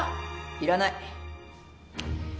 いらない。